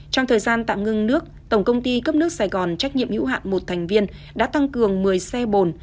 trong thời gian tạm ngưng nước tổng công ty cấp nước sài gòn trách nhiệm hữu hạn một thành viên đã tăng cường một mươi xe bồn